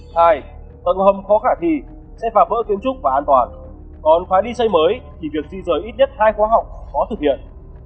hai tầng hầm khó khả thi sẽ phá vỡ kiến trúc và an toàn còn khóa đi xây mới thì việc di rời ít nhất hai khóa học khó thực hiện